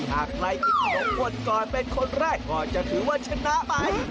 ถ้าใครกิต๒คนก่อนเป็นคนแรกก่อนจะถือว่าชนะไป